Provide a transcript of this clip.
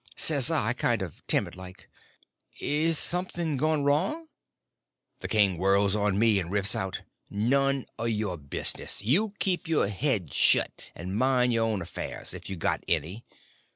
Says I, kind of timid like: "Is something gone wrong?" The king whirls on me and rips out: "None o' your business! You keep your head shet, and mind y'r own affairs—if you got any.